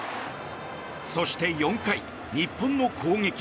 そして４回、日本の攻撃。